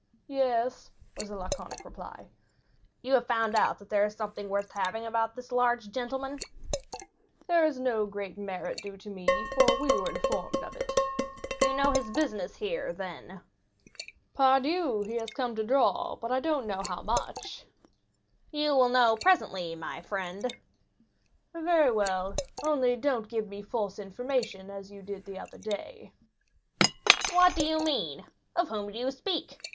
"Yes," was the laconic reply. "You have found out that there is something worth having about this large gentleman?" "There is no great merit due to me, for we were informed of it." "You know his business here, then." "Pardieu, he has come to draw, but I don't know how much!" "You will know presently, my friend." "Very well, only do not give me false information as you did the other day." "What do you mean?—of whom do you speak?